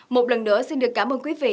một lần nữa xin được cảm ơn quý vị